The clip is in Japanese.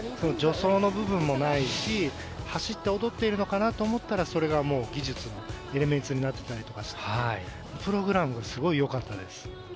助走の部分もないし走って踊っているのかなと思ったら、それが技術エレメンツになっていたりしてプログラムがすごいよかったです。